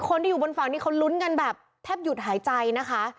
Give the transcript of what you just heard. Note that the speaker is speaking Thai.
คนที่อยู่บนฝั่งนี้เขาลุ้นกันแบบแทบหยุดหายใจนะคะ